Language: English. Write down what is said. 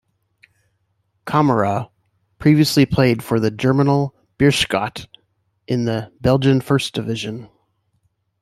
Camara previously played for Germinal Beerschot in the Belgian First Division.